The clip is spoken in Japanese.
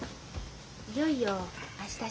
いよいよ明日初日だね。